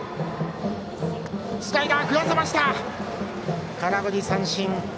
スライダー、振らせました空振り三振。